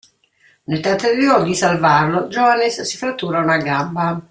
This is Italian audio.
Nel tentativo di salvarlo, Johannes si frattura una gamba.